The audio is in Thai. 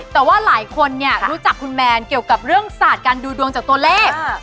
แต่ว่าหลายคนเนี่ยรู้จักคุณแมนเกี่ยวกับเรื่องศาสตร์การดูดวงจากตัวเลข